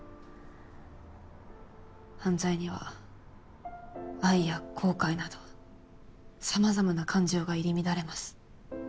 犯罪には愛や後悔など様々な感情が入り乱れます。